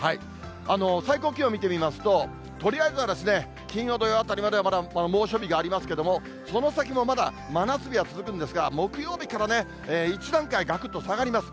最高気温見てみますと、とりあえずは、金曜、土曜あたりまではまだ猛暑日がありますけれども、その先もまだ真夏日は続くんですが、木曜日からね、１段階がくっと下がります。